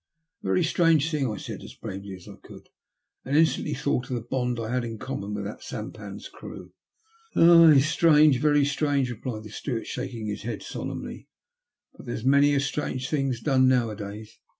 "A very strange thing," I said, as bravely as I could, and instantly thought of the bond I had in common with that sampan's crew. " Aye, strange ; very strange," replied the steward, shaking his head solemnly; "but there's many strange things done now a days.